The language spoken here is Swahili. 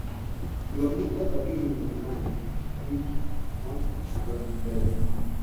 kilomita sabini na nane Mashariki mwa mji wa Mbeya